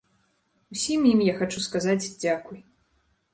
Усім ім я хачу сказаць дзякуй.